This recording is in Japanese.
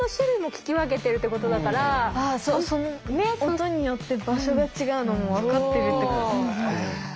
音によって場所が違うのも分かってるってことだね。